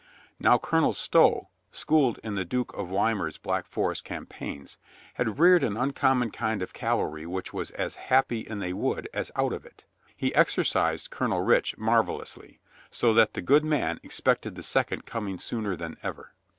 Now Colonel Stow, schooled in the Duke of Weimar's Black Forest campaigns, had reared an uncommon kind of cavalry which was as happy in a wood as out of it. He exercised Colonel Rich marvelously, so that the good man expected the second coming sooner than ever.